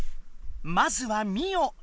まずはミオ。